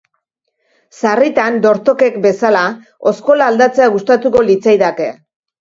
Sarritan, dortokek bezala, oskola aldatzea gustatuko litzaidake.